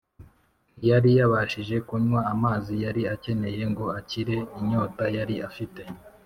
Ntiyari yabashije kunywa amazi yari akeneye ngo akire inyota yari afite